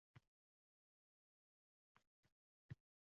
Tarixda bizning mamlakatlar rivojlangan.